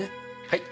はい。